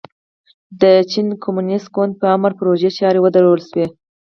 د چین کمونېست ګوند په امر پروژې چارې ودرول شوې.